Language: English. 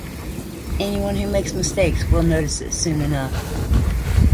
Anyone who makes mistakes will notice it soon enough.